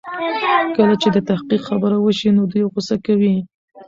کله چې د تحقيق خبره وشي دوی غوسه کوي.